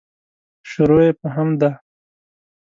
شروع یې په حمد ده.